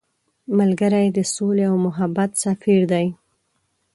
ملګری د سولې او محبت سفیر دی